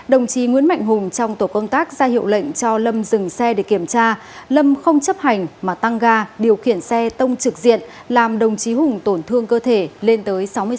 đồng chí nguyễn mạnh hùng trong tổ công tác ra hiệu lệnh cho lâm dừng xe để kiểm tra lâm không chấp hành mà tăng ga điều khiển xe tông trực diện làm đồng chí hùng tổn thương cơ thể lên tới sáu mươi sáu